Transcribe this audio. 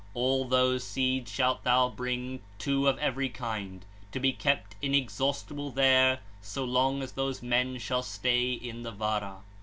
All those seeds shalt thou bring, two of ever), kind, to be kept inexhaustible there, so long as those men shall stay in the Vara.